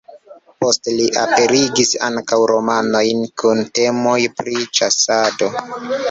Poste li aperigis ankaŭ romanojn kun temoj pri ĉasado.